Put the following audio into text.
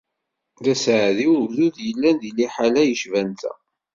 D aseɛdi ugdud yellan di liḥala yecban ta!